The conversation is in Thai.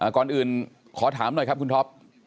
ก่อนอื่นขอถามหน่อยครับคุณท็อป